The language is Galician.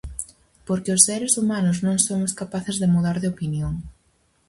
Porque os seres humanos non somos capaces de mudar de opinión.